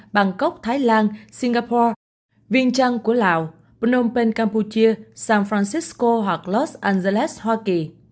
bangkok thái lan singapore viên trăn của lào phnom penh campuchia san francisco hoặc los angeles hoa kỳ